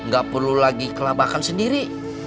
gak perlu lagi kelabakan sendiri